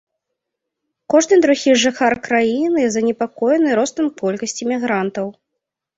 Кожны другі жыхар краіны занепакоены ростам колькасці мігрантаў.